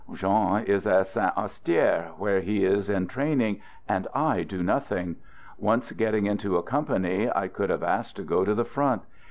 Jean is at Saint Astier, where he is in training, and I do nothing! Once getting into a company, I could have asked to go to the front.